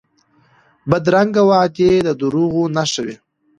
بدرنګه وعدې د دروغو نښه وي